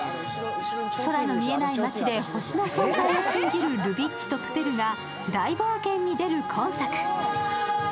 空の見えない町で星の存在を信じるルビッチとプペルが大冒険に出る今作。